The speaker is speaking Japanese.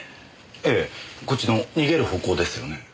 ええこっちの逃げる方向ですよね。